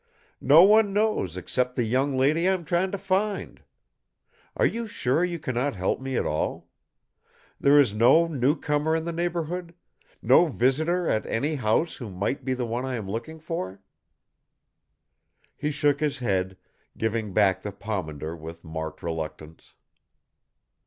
"No one knows except the young lady I am trying to find. Are you sure you cannot help me at all? There is no newcomer in the neighborhood, no visitor at any house who might be the one I am looking for?" He shook his head, giving back the pomander with marked reluctance.